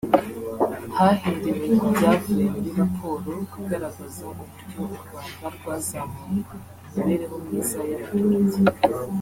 haherewe ku byavuye muri raporo igaragaza uburyo u Rwanda rwazamuye imibereho myiza y’abaturage